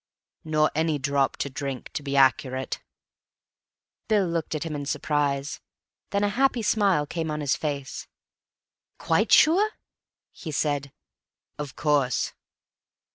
"'Nor any drop to drink,' to be accurate." Bill looked at him in surprise. Then a happy smile came on his face. "Quite sure?" he said. "Of course."